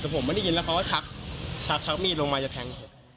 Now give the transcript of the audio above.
แต่ผมไม่ได้ยินแล้วเขาก็ชักมีดลงมาจะแทง